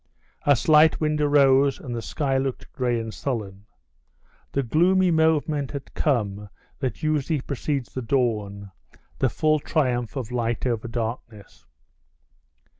A slight wind arose, and the sky looked gray and sullen. The gloomy moment had come that usually precedes the dawn, the full triumph of light over darkness.